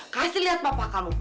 kasih lihat papa kamu